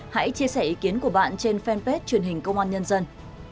hãy chia sẻ ý kiến của bạn trên fanpage truyền hình công an nhân dân